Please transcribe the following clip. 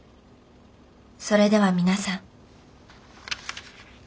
それでは皆さん。